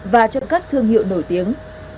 và cho các thương hiệu nổi tiếng